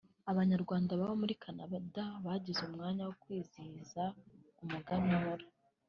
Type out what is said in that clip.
Abanyarwanda baba muri Canada bagize umwanya wo kwizihiza umuganura